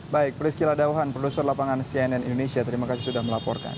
baik priscila dauhan produser lapangan cnn indonesia terima kasih sudah melaporkan